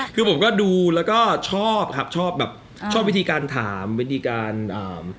คือผมก็ดูแล้วก็ชอบครับชอบแบบชอบวิธีการถามวิธีการอ่า